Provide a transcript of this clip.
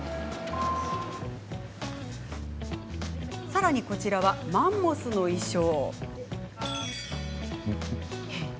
さらに、こちらはマンモスの衣装。